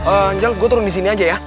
angel gua turun disini aja ya